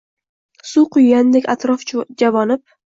Suv quygandek atrof javonib